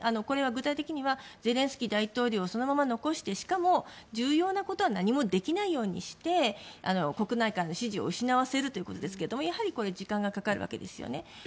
これは具体的にはゼレンスキー大統領をそのまま残してしかも、重要なことは何もできないようにして国内からの支持を失わせるということですけども時間がかかるわけですね。